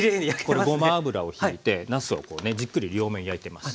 これごま油をひいてなすをこうねじっくり両面焼いてます。